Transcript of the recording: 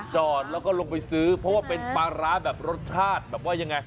จอดแล้วก็ลงไปซื้อเพราะว่าเป็นปลาร้าแบบรสชาติแบบว่ายังไง